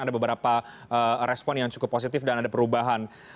ada beberapa respon yang cukup positif dan ada perubahan